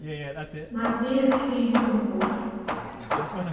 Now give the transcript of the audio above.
Матвеев шке йӱкым пуыш.